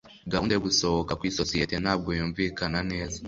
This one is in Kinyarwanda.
gahunda yo gusohoka kwisosiyete ntabwo yumvikana neza